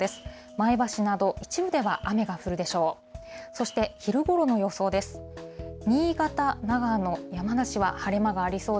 前橋など一部では雨が降るでしょう。